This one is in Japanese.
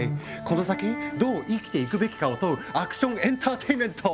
この先どう生きていくべきかを問うアクションエンターテインメント！